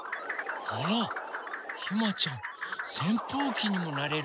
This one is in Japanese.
あらひまちゃんせんぷうきにもなれるのね。